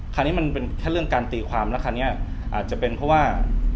คันนี้มันเป็นแค่เรื่องการตีความแล้วคราวนี้อาจจะเป็นเพราะว่า